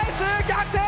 逆転！